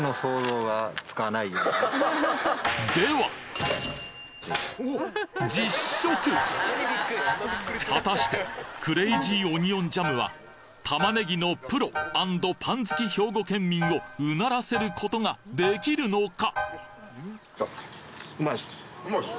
では果たしてクレイジーオニオンジャムは玉ねぎのプロ＆パン好き兵庫県民をうならせることができるのか！？